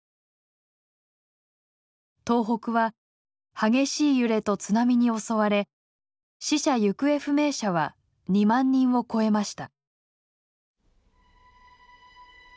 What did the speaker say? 東北は激しい揺れと津波に襲われ死者行方不明者は２万人を超えました。